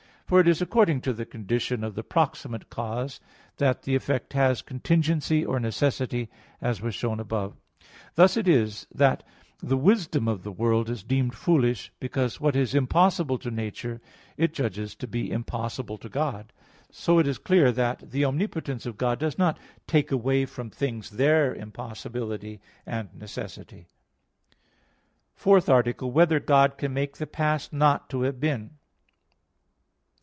For it is according to the condition of the proximate cause that the effect has contingency or necessity, as was shown above (Q. 14, A. 1, ad 2). Thus is it that the wisdom of the world is deemed foolish, because what is impossible to nature, it judges to be impossible to God. So it is clear that the omnipotence of God does not take away from things their impossibility and necessity. _______________________ FOURTH ARTICLE [I, Q. 25, Art. 4] Whether God Can Make the Past Not to Have Been?